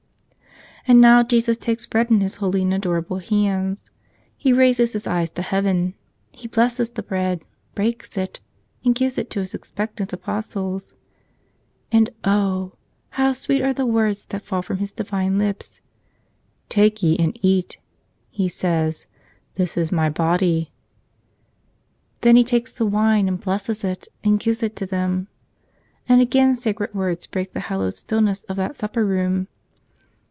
, And now Jesus takes bread in His holy and adorable hands; He raises His eyes to heaven; He blesses the bread, breaks it, and gives it to His expectant Apostles. And oh! how sweet are the words that fall from His divine lips. "Take ye and eat," He says. "This is My Body." Then He takes the wine and blesses it and gives it to them. And again sacred words break the hallowed stillness of that supper room.